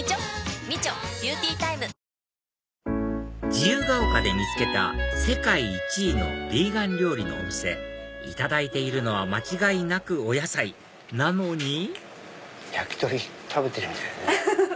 自由が丘で見つけた世界１位のビーガン料理のお店いただいているのは間違いなくお野菜なのに焼き鳥食べてるみたい。